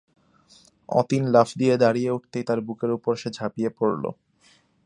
অতীন লাফ দিয়ে দাঁড়িয়ে উঠতেই তার বুকের উপর সে ঝাঁপিয়ে পড়ল।